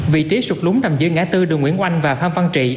vị trí sụp lúng nằm dưới ngã tư đường nguyễn oanh và phan văn trị